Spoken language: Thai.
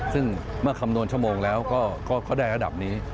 ซึ่งเมื่อคำนวณชั่วโมงแล้วก็เขาได้ระดับนี้